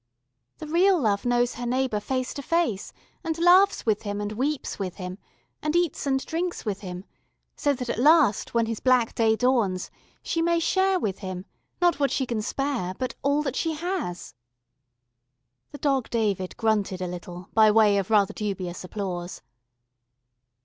"The real Love knows her neighbour face to face, and laughs with him and weeps with him, and eats and drinks with him, so that at last, when his black day dawns, she may share with him, not what she can spare, but all that she has." The Dog David grunted a little, by way of rather dubious applause.